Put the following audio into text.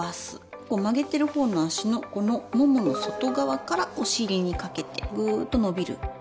曲げてる方の足のこのももの外側からお尻にかけてぐーっと伸びる。